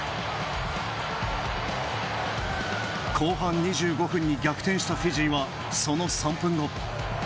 後半２５分に逆転したフィジーはその３分後。